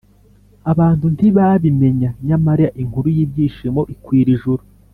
Abantu ntibabimenya, nyamara inkuru y’ibyishimo ikwira ijuru